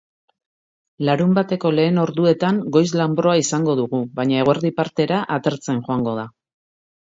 Larunbateko lehen orduetan goiz-lanbroa izango dugu baina eguerdi partera, atertzen joango da.